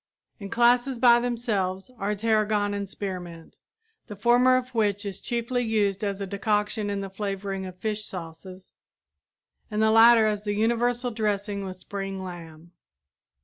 In classes by themselves are tarragon and spearmint, the former of which is chiefly used as a decoction in the flavoring of fish sauces, and the latter as the universal dressing with spring lamb.